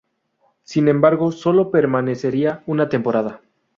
Sin embargo, solo permanecería una temporada.